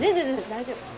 大丈夫。